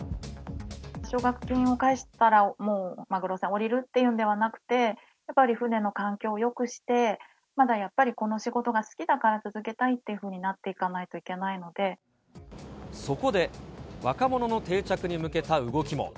奨学金を返したら、もうマグロ船降りるっていうのではなくて、やっぱり船の環境をよくして、まだやっぱりこの仕事が好きだから続けたいっていうふうになってそこで、若者の定着に向けた動きも。